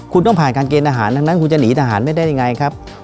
คุณต้องผ่านการเกณฑ์ทหารทั้งนั้นคุณจะหนีทหารไม่ได้ยังไงครับ